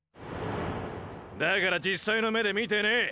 だから実際の目で見てねェ。